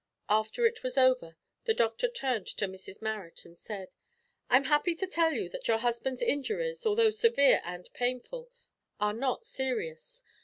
After it was over, the doctor turned to Mrs Marrot, and said "I'm happy to tell you, that your husband's injuries, although severe and painful, are not serious.